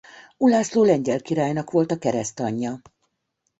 Ulászló lengyel királynak volt a keresztanyja.